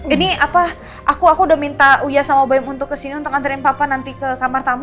ini apa aku udah minta uya sama baim untuk kesini untuk nganterin papa nanti ke kamar tamu